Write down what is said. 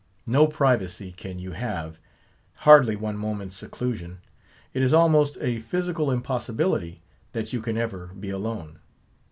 No privacy can you have; hardly one moment's seclusion. It is almost a physical impossibility, that you can ever be alone.